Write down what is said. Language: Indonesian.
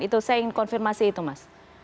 itu saya ingin konfirmasi itu mas